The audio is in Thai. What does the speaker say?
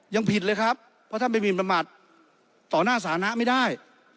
ยังผิดเลยครับเพราะท่านไปหมินประมาทต่อหน้าสานะไม่ได้